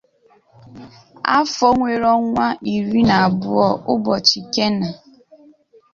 Afo nwere onwa iri na abuo ubochi kena.